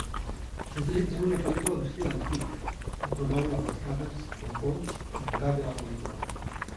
S'utilitza una pel·lícula d'estil antic que promou les rascades, la pols i gra de la pel·lícula.